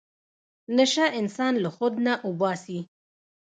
نشه انسان له خود نه اوباسي.